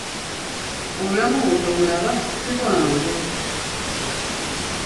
Obulamu obwo tobulaba ssi bwangu nakamu!